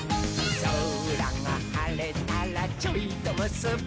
「そらがはれたらちょいとむすび」